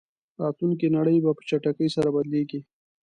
راتلونکې نړۍ به په چټکۍ سره بدلېږي.